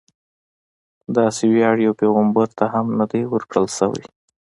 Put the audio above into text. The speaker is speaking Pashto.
داسې ویاړ یو پیغمبر ته هم نه دی ورکړل شوی.